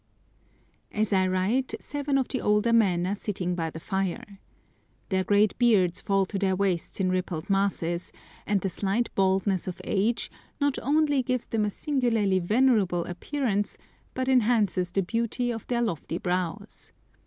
As I write, seven of the older men are sitting by the fire. Their grey beards fall to their waists in rippled masses, and the slight baldness of age not only gives them a singularly venerable appearance, but enhances the beauty of their lofty brows.